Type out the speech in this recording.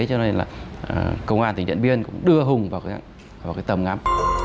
cho nên là công an tỉnh điện biên cũng đưa hùng vào cái tầm ngắm